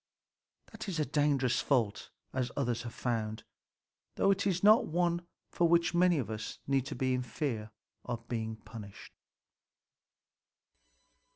That is a dangerous fault, as others have found; though it is not one for which many of us need fear being punished.